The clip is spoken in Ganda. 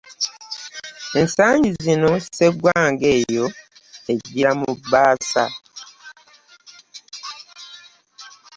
Ensangi zino sseggwanga eyo ejjira mu bbaasa.